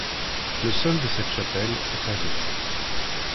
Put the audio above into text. Le sol de cette chapelle est pavé.